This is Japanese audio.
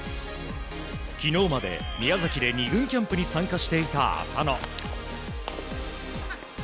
昨日まで宮崎で２軍キャンプに参加していた浅野。